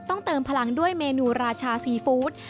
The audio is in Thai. เติมพลังด้วยเมนูราชาซีฟู้ด